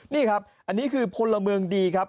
นี่ครับอันนี้คือพลเมืองดีครับ